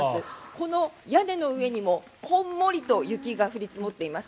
この屋根の上にも、こんもりと雪が降り積もっています。